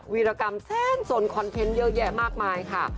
วิรกรรมแสนสนคอนเทนต์เยอะแยะมากมายค่ะ